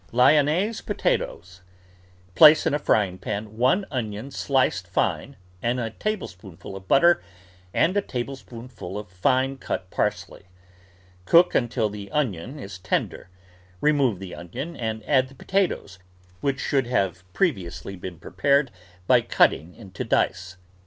LYONNAISE POTATOES Place in a frying pan one onion sliced fine and a tablespoonful of butter and a tablespoonful of finely cut parsley. Cook until the onion is tender. Remove the onion and add the potatoes, which should have previously been prepared by cutting into dice.